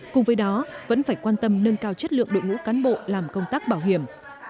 cùng với đó vẫn phải quan tâm nâng cao chất lượng đội ngũ cán bộ làm công tác bảo hiểm